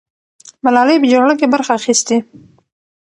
ملالۍ په جګړه کې برخه اخیستې.